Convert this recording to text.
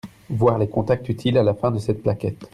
voir les Contacts utiles à la fin de cette plaquette.